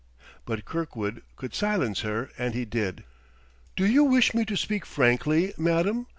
But Kirkwood could silence her; and he did. "Do you wish me to speak frankly, Madam?